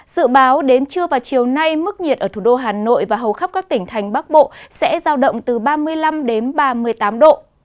dự báo đến trưa và chiều nay mức nhiệt ở thủ đô hà nội và hầu khắp các tỉnh thành bắc bộ sẽ giao động từ ba mươi năm đến ba mươi tám độ